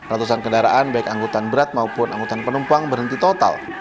ratusan kendaraan baik anggutan berat maupun angkutan penumpang berhenti total